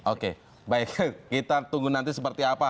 oke baik kita tunggu nanti seperti apa